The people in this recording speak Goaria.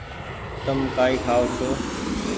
تم ڪآئي کآئو ڇو۔